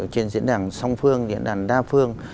trên diễn đàn song phương diễn đàn đa phương